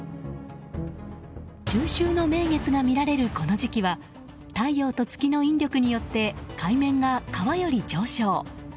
中秋の名月が見られるこの時期は太陽と月の引力によって海面が川より上昇。